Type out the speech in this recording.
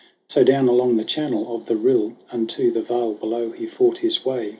So down along the channel of the rill Unto the vale below he fought his way.